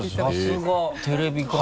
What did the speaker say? さすがテレビ関係。